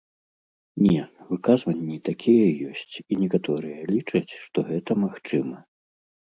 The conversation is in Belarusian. Не, выказванні такія ёсць і некаторыя лічаць, што гэта магчыма.